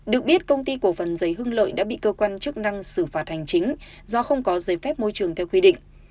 được biết công ty cổ phần giấy hương lợi đã bị cơ quan chức năng xử phạt hành chính do không có giấy phép môi trường theo quy định